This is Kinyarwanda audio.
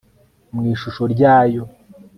mu ishusho rya yo (x